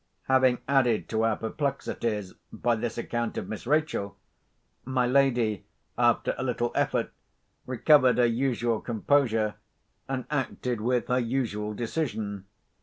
Having added to our perplexities by this account of Miss Rachel, my lady, after a little effort, recovered her usual composure, and acted with her usual decision.